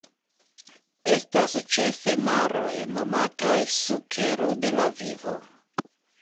Estas ĉefe maroj nomataj sukero de la vivo.